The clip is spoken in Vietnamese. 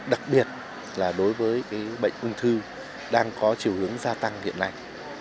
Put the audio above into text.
đặc biệt là đối với bệnh ung thư đang có chiều hướng gia tăng hiện nay